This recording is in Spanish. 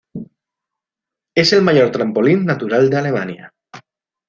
Es el mayor trampolín natural de Alemania.